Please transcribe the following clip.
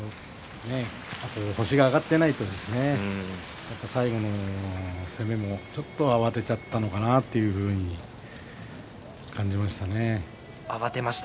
星が挙がっていないと最後の攻めもちょっと慌てちゃったのかなというふうに感じましたね。